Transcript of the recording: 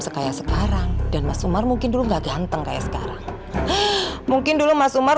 sekaya sekarang dan mas umar mungkin dulu enggak ganteng kayak sekarang mungkin dulu mas umar